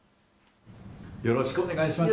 よろしくお願いします。